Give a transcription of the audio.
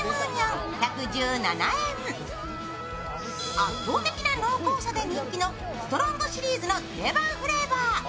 圧倒的な濃厚さで人気のＳＴＯＲＯＮＧシリーズの定番フレーバー